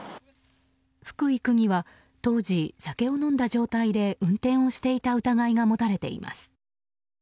福井区議は当時酒を飲んだ状態で運転をしていた疑いが持たれています。